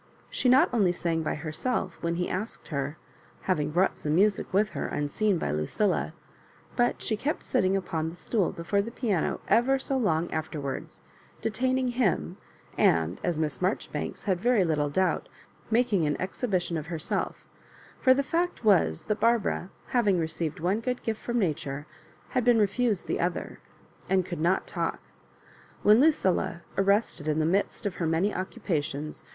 She not only sang by herself when he asked her, having brought some music with her unseen by Lucilla, but she kept sitting upon the stool be fore the piano ever so long afterwards, detaining him, and, as Miss Marjoribanks had very little doubt, making an exhibition of herself; for the fact was, that Barbara^ having received one good gift firom nature, had been refused the other, and could not talk. When Lucilla, arrested in the Digitized by VjOOQIC 38 MISS MABJOBIBANEB. midst of her many oceupationa.